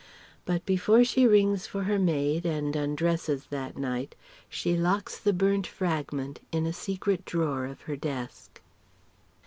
But before she rings for her maid and undresses that night, she locks the burnt fragment in a secret drawer of her desk.